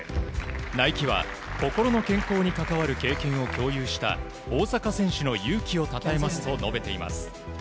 ナイキは、心の健康に関わる経験を共有した大坂選手の勇気をたたえますと述べています。